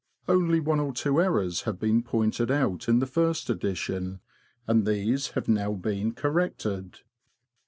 Only one or two errors have been pointed out in the First Edition, and these have now been corrected.